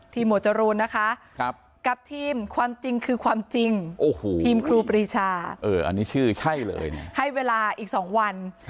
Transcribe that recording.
ทีมหมวดจรูนนะคะกับทีมความจริงคือความจริงทีมครูปริชาให้เวลาอีก๒วัน